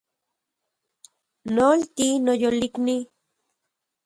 Nolti, noyolikni